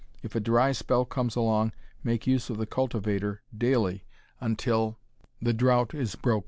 If a dry spell comes along make use of the cultivator daily until the drought is broken.